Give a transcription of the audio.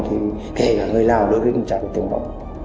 thì kể cả người lào đối với mình chẳng có tiếng mông